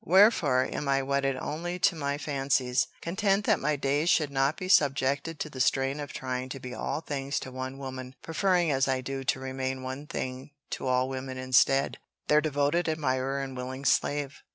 Wherefore am I wedded only to my fancies, content that my days should not be subjected to the strain of trying to be all things to one woman, preferring as I do to remain one thing to all women instead their devoted admirer and willing slave."